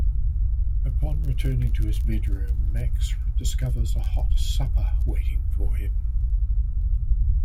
Upon returning to his bedroom, Max discovers a hot supper waiting for him.